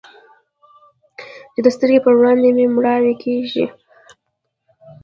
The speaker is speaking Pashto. چې د سترګو په وړاندې مې مړواې کيږي.